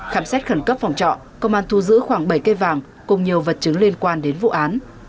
khám xét khẩn cấp phòng trọ công an thu giữ khoảng bảy cây vàng cùng nhiều vật chứng liên quan đến vụ án